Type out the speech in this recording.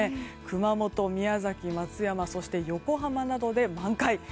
熊本、宮崎、松山そして、横浜などで満開。